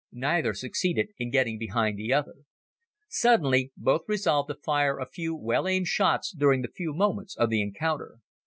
Neither succeeded in getting behind the other. Suddenly both resolved to fire a few well aimed shots during the few moments of the encounter.